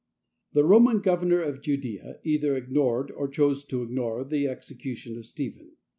The Roman Governor of J udea either ignored or chose to ignore the execution of Stephen.